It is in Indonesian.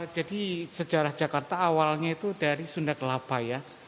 jadi sejarah jakarta awalnya itu dari sunda kelapa ya